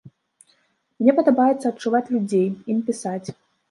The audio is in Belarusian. Мне падабаецца адчуваць людзей, ім пісаць.